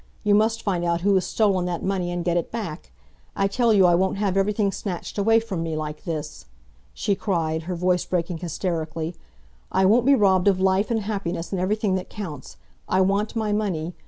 You must find out who has stolen that money and get it back. I tell you I won't have everything snatched away from me like this!" she cried, her voice breaking hysterically, "I won't be robbed of life and happiness and everything that counts! I want my money.